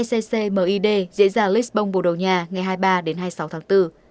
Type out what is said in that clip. sccmid diễn ra lisbon bồ đầu nha ngày hai mươi ba hai mươi sáu tháng bốn